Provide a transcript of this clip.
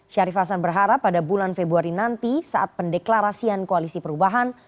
syarif hasan berharap pada bulan februari nanti saat pendeklarasian koalisi perubahan